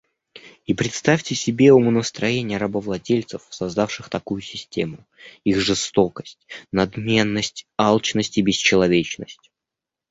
И представьте себе умонастроения рабовладельцев, создавших такую систему: их жестокость, надменность, алчность и бесчеловечность.